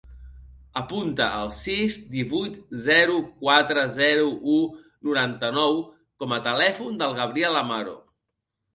Apunta el sis, divuit, zero, quatre, zero, u, noranta-nou com a telèfon del Gabriel Amaro.